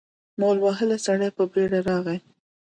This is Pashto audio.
مول وهلی سړی په بېړه راغی.